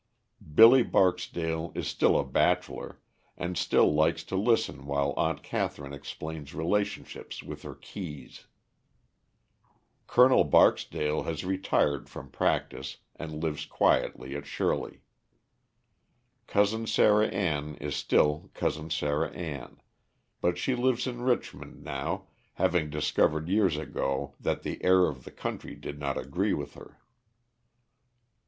Billy Barksdale is still a bachelor, and still likes to listen while Aunt Catherine explains relationships with her keys. Col. Barksdale has retired from practice, and lives quietly at Shirley. Cousin Sarah Ann is still Cousin Sarah Ann, but she lives in Richmond now, having discovered years ago that the air of the country did not agree with her.